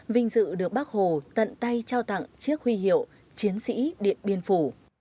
vinh dự được bác hồ tận tay trao tặng chiếc huy hiệu chiến sĩ điện biên phủ